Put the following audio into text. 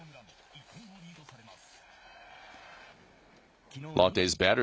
１点をリードされます。